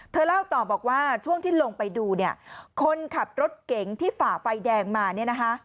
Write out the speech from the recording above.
เล่าต่อบอกว่าช่วงที่ลงไปดูคนขับรถเก๋งที่ฝ่าไฟแดงมาเนี่ยนะคะ